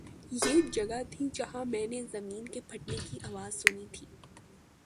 ”یہ جگہ تھی، جہاں میں نے زمین کے پھٹنے کی آواز سنی تھی